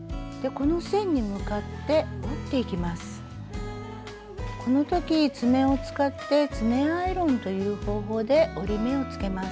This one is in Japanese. この時爪を使って「爪アイロン」という方法で折り目をつけます。